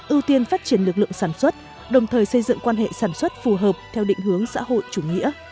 ưu tiên phát triển lực lượng sản xuất đồng thời xây dựng quan hệ sản xuất phù hợp theo định hướng xã hội chủ nghĩa